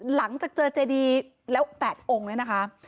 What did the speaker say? หลังจากเจอเจดีแล้ว๘องค์เนี่ยนะคะ